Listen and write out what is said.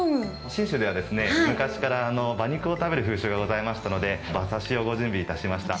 信州ではですね、昔から馬肉を食べる風習がございましたので、馬刺しをご準備いたしました。